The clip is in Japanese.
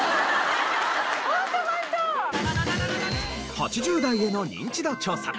８０代へのニンチド調査。